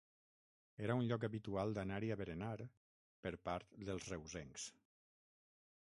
Era un lloc habitual d'anar-hi a berenar, per part dels reusencs.